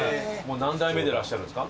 何代目でらっしゃるんですか？